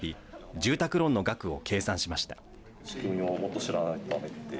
住宅ローンの額を計算しました。